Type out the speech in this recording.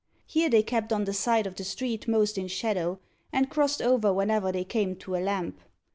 Here they kept on the side of the street most in shadow, and crossed over whenever they came to a lamp.